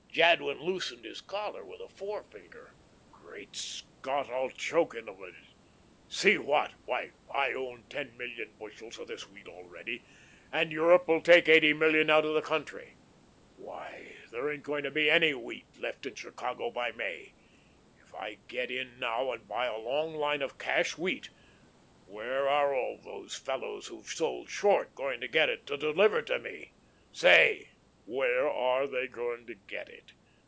Jadwin loosened his collar with a forefinger. "Great Scott! I'll choke in a minute. See what? Why, I own ten million bushels of this wheat already, and Europe will take eighty million out of the country. Why, there ain't going to be any wheat left in Chicago by May! If I get in now and buy a long line of cash wheat, where are all these fellows who've sold short going to get it to deliver to me? Say, where are they going to get it?